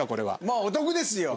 もうお得ですよ。